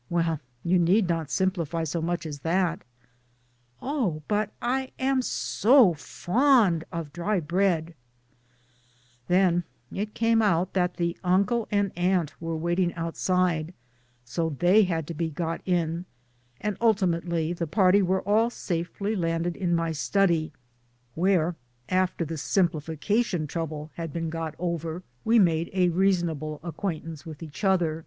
" Well, you need not * simplify ' so much as that." " Oh ! but I am so fond of dry bread 1 " Then it came out .that the Uncle and Aunt were waiting outside, so they had to be got in, and ulti mately the party were all safely landed in my study where after the simplification trouble had been I ? W o 5 S 8 o "tf H MILLTHORPIANA 169 got over, we made a reasonable acquaintance with each other.